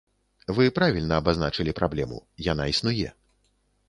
Вы правільна абазначылі праблему, яна існуе.